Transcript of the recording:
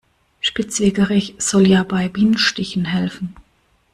Spitzwegerich soll ja bei Bienenstichen helfen.